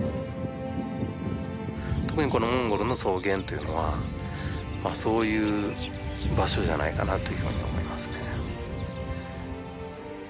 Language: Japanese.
特にこのモンゴルの草原というのはそういう場所じゃないかなというふうに思いますね。